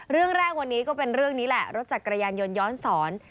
เรื่องแรกวันนี้ก็เป็นเรื่องนี้แหละรถจักรยานยนต์ย้อนสอน